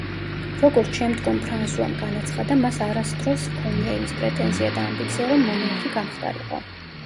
როგორც შემდგომ ფრანსუამ განაცხადა, მას არასდროს ჰქონია იმის პრეტენზია და ამბიცია, რომ მონარქი გამხდარიყო.